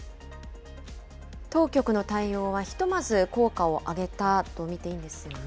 当局の対応は、ひとまず効果を上げたと見ていいんですよね。